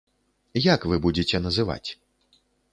Як вы будзеце называць?